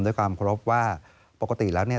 ด้วยความเคารพว่าปกติแล้วเนี่ย